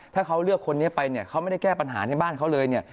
ถ้าเขาเลือกคนนี้ไปเนี่ยเขาไม่ได้แก้ปัญหาในบ้านเขาเลยเนี่ย